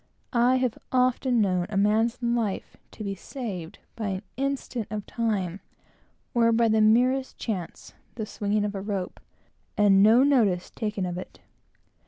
I have often known a man's life to be saved by an instant of time, or by the merest chance, the swinging of a rope, and no notice taken of it.